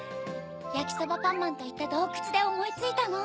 やきそばパンマンといったどうくつでおもいついたの。